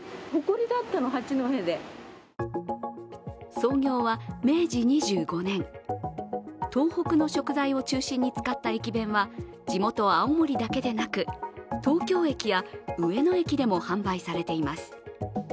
創業は明治２５年、東北の食材を中心に使った駅弁は地元・青森だけでなく東京駅や上野駅でも販売されています。